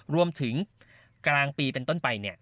รวมถึงกลางปีเป็นต้นไป